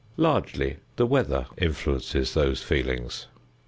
Largely the weather influences those feelings.